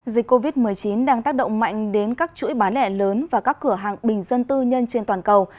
dịch covid một mươi chín đang tác động mạnh đến các chuỗi bán lẻ lớn và các cửa hàng bình dân tư nhân trên toàn cầu